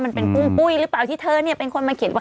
เขาก็ไปพับตามบ้านเขาก็เป็นแบบว่ามีสมาคมของเขา